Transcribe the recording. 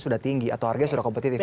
sudah tinggi atau harga sudah kompetitif